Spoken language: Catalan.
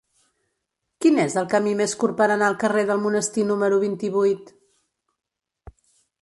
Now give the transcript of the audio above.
Quin és el camí més curt per anar al carrer del Monestir número vint-i-vuit?